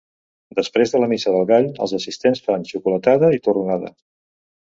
Després de la Missa del Gall, els assistents fan xocolatada i torronada.